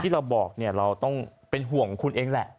ที่เราบอกเนี่ยเราต้องเป็นห่วงคุณเองแหละ